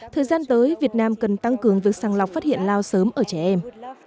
thời gian tới việt nam cần tăng cường việc sàng lọc phát hiện lao sớm ở trẻ em